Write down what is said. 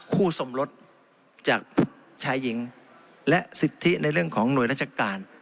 สมรสจากชายหญิงและสิทธิในเรื่องของหน่วยราชการ